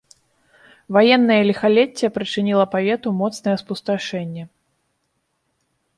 Ваеннае ліхалецце прычыніла павету моцнае спусташэнне.